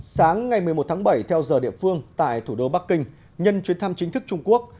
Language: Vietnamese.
sáng ngày một mươi một tháng bảy theo giờ địa phương tại thủ đô bắc kinh nhân chuyến thăm chính thức trung quốc